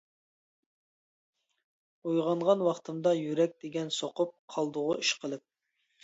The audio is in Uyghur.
ئويغانغان ۋاقتىمدا يۈرەك دېگەن سوقۇپ قالدىغۇ ئىشقىلىپ.